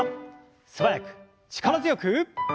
素早く力強く！